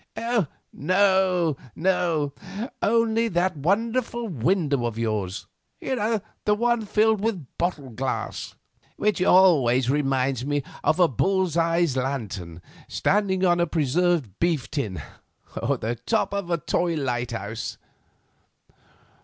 "No, no; only that wonderful window of yours—the one filled with bottle glass—which always reminds me of a bull's eye lantern standing on a preserved beef tin, or the top of a toy lighthouse."